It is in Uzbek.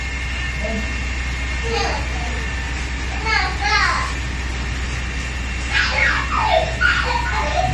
Muftiy Usmonxon Alimovning sog‘liklari haqida xabar berildi